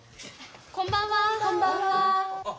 こんばんは。